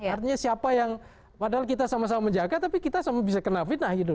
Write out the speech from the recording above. artinya siapa yang padahal kita sama sama menjaga tapi kita juga bisa menjaga